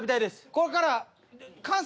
ここから。